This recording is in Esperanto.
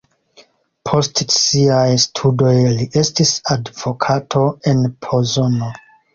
Post siaj studoj li estis advokato en Pozono.